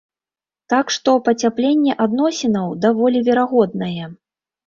Так што пацяпленне адносінаў даволі верагоднае.